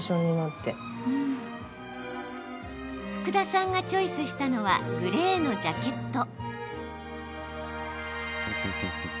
福田さんがチョイスしたのはグレーのジャケット。